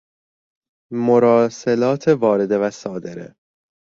مراسلات وارده و صادره